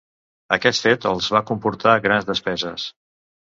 Aquest fet els va comportar grans despeses.